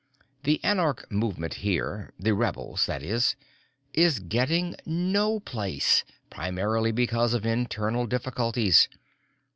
"The anarch movement here the rebels, that is is getting no place, primarily because of internal difficulties.